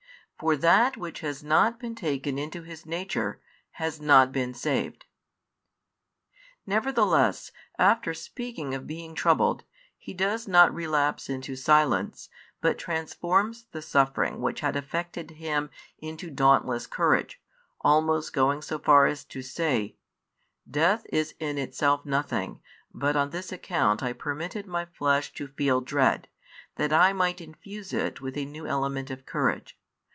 For that which has not been taken into His Nature, has not been saved. Nevertheless, after speaking of being troubled, He does not relapse into silence, but transforms the suffering which had affected Him into dauntless courage, almost going so far as to say: "Death is in itself nothing; but on this account I permitted My Flesh to feel dread, that I might infuse it with a new element of courage.